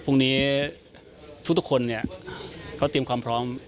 พรุ่งนี้ทุกคนเนี่ยก็เตรียมความพร้อม